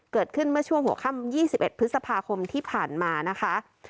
เกิดขึ้นเมื่อช่วงหัวค่ำ๒๑พฤษภาคมที่ผ่านมานะคะ